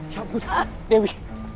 ya ampun dewi